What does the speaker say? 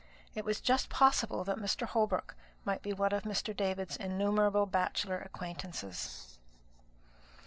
It was just possible that Mr. Holbrook might be one of Sir David's innumerable bachelor acquaintances.